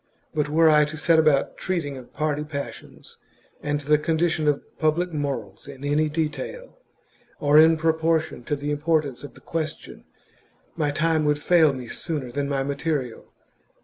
But were I to set about treating of party passions and the condi tion of public morals in any detail, or in proportion to the importance of the question, my time would fail me sooner than my material.